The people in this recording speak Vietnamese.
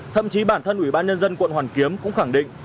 thậm chí bản thân ủy ban nhân dân quận hoàn kiếm cũng khẳng định